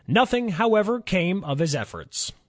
Nothing, however, came of his efforts.